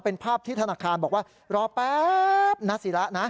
เป็นภาพที่ธนาคารบอกว่ารอแป๊บนะศิระนะ